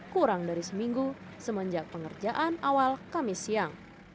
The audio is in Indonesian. kurang dari seminggu semenjak pengerjaan awal kamis siang